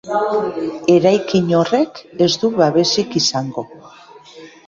Eraikin horrek ez du babesik izango.